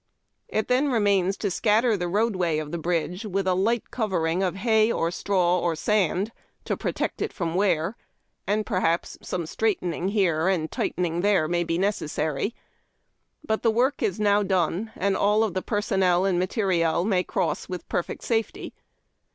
It then remains to scatter the road way of the bridge witii a h'ght covering of hay, or straw, or sand, to protect it from wear, and, perliaps, some straighten ing here and tightening there may be necessarj^, but the work is now done, and all of the personnel and materiel may cross with perfect safety.